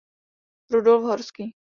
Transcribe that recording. Rudolf Horský.